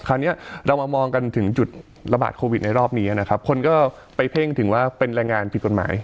คราวนี้เรามามองกันถึงจุดระบาดโควิดในรอบนี้นะครับคนก็ไปเพ่งถึงว่าเป็นแรงงานผิดกฎหมาย